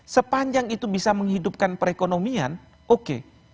sepanjang itu bisa menghidupkan perekonomian oke